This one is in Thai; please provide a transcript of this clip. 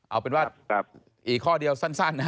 เอาเป็นว่าอีกข้อเดียวสั้นนะ